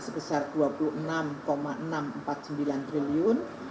sebesar rp dua puluh enam enam ratus empat puluh sembilan triliun